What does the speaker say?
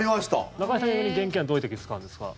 中居さんは現金どういう時に使うんですか？